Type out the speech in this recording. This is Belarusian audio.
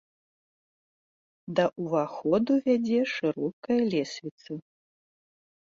Да ўваходу вядзе шырокая лесвіца.